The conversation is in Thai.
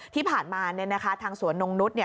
ที่ผ่านมาเนี่ยนะคะทางสวนนกนุษย์เนี่ย